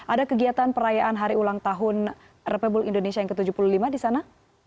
ada kegiatan perayaan hari ulang tahun republik indonesia yang ke tujuh puluh lima di sana